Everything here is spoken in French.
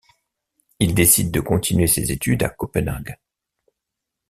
Il décide de continuer ses études à Copenhague.